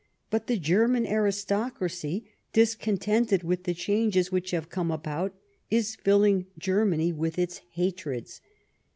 But the German aristocracy, discontented with the changes which have come about, is filling Germany with its hatreds.